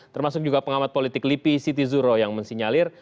termasuk juga pengamat politik lipi siti zuro yang mensinyalir